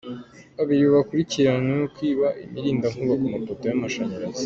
Babiri bakurikiranyweho kwiba imirindankuba ku mapoto y’ amashanyarazi.